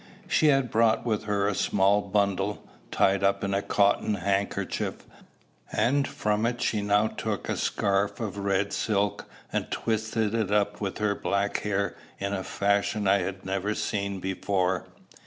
She had brought with her a small bundle, tied up in a cotton handkerchief; and from it she now took a scarf of red silk, and twisted it up with her black hair in a fashion I had never seen before.